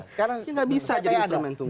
sekarang bisa jadi instrumen tunggu